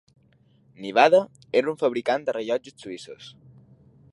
Nivada era un fabricant de rellotges suïssos.